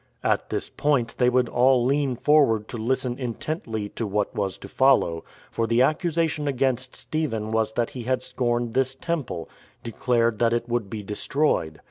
At this point they would all lean forward to listen intently to what was to follow, for the accusation against Stephen was that he scorned this Temple — declared that it would be destroyed.